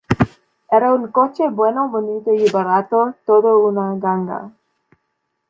Era un coche bueno, bonito y barato. Toda una ganga